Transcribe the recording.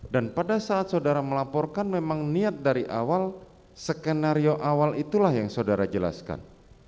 dan pada saat saudara melaporkan memang niat dari awal skenario awal itulah yang saudara jelaskan